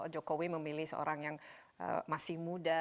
jokowi memilih seorang yang masih muda